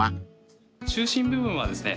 中心部分はですね